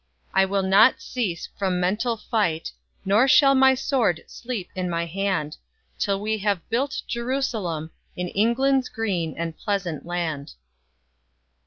I will not cease from mental fight, Nor shall my sword sleep in my hand Till we have built Jerusalem In England's green and pleasant land.